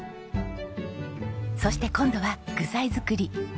そして今度は具材作り。